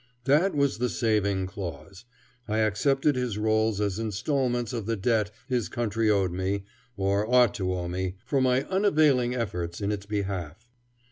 That was the saving clause. I accepted his rolls as instalments of the debt his country owed me, or ought to owe me, for my unavailing efforts in its behalf.